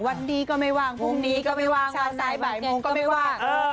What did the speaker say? วันนี้ก็ไม่ว่างพรุ่งนี้ก็ไม่ว่างวันซ้ายบ่ายโมงก็ไม่ว่าง